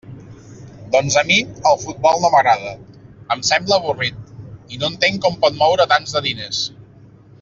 Doncs, a mi, el futbol no m'agrada; em sembla avorrit, i no entenc com pot moure tants de diners.